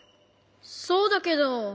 そうだけど。